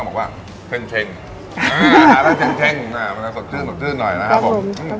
แต่จะนุ่ม